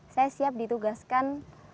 saya siap ditugaskan